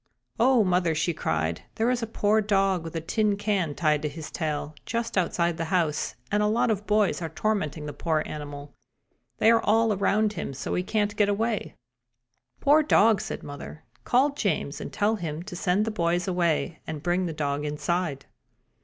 "Oh, mother!" she cried. "There is a poor dog with a tin can tied to his tail, just outside the house, and a lot of boys are tormenting the poor animal. They are all around him so that he can't get away." "Poor dog!" said mother. "Call James and tell him to send the boys away and bring the dog inside."